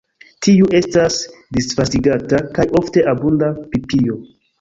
Tiu estas disvastigata kaj ofte abunda pipio.